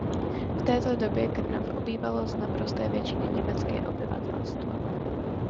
V této době Krnov obývalo z naprosté většiny německé obyvatelstvo.